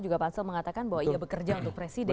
juga pansel mengatakan bahwa ia bekerja untuk presiden